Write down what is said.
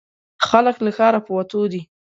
خلک له ښاره په وتو دي.